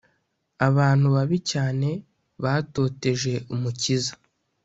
abantu babi cyane batoteje umukiza